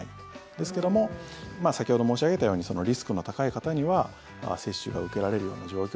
ですけども先ほど申し上げたようにリスクの高い方には接種が受けられるような状況。